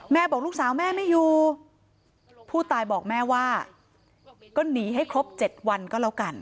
บอกลูกสาวแม่ไม่อยู่ผู้ตายบอกแม่ว่าก็หนีให้ครบ๗วันก็แล้วกัน